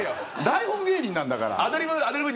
台本芸人なんだから。